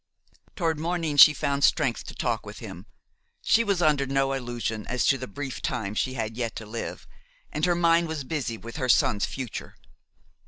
Toward morning she found strength to talk with him; she was under no illusion as to the brief time she had yet to live and her mind was busy with her son's future.